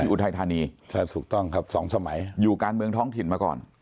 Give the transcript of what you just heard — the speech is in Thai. อุทัยธานีใช่ถูกต้องครับสองสมัยอยู่การเมืองท้องถิ่นมาก่อน